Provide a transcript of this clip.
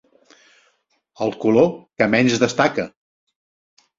El color que menys destaca.